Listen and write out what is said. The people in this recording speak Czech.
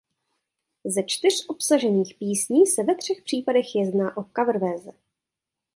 Ze čtyř obsažených písní se ve třech případech jedná o cover verze.